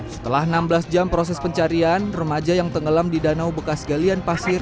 setelah enam belas jam proses pencarian remaja yang tenggelam di danau bekas galian pasir